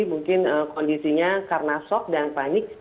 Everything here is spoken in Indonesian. mungkin kondisinya karena shock dan panik